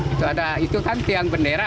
itu ada itu kan tiang bendera